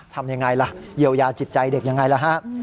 ทำอย่างไรล่ะเยียวยาจิตใจเด็กอย่างไรล่ะ